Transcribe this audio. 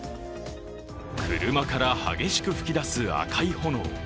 車から激しく噴き出す赤い炎。